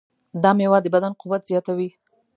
دا مېوه د بدن قوت زیاتوي.